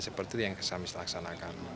itu yang kami laksanakan